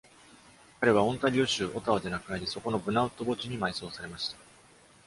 彼は、オンタリオ州オタワで亡くなり、そこのブナウッド墓地に埋葬されました。